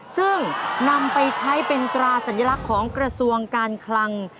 ซึ่งนำไปใช้เป็นตราสัญลักษณ์ของกระทรวงการคลัง